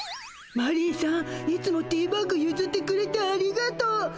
マリーさんいつもティーバッグゆずってくれてありがとう。